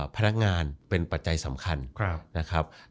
พนักงานเป็นปัจจัยสำคัญนะครับ